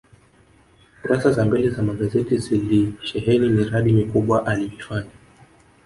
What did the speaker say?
kurasa za mbele za magazeti zilisheheni miradi mikubwa aliyoifanya